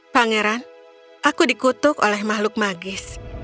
pangeran aku dikutuk oleh makhluk magis